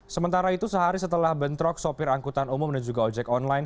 sementara itu sehari setelah bentrok sopir angkutan umum dan juga ojek online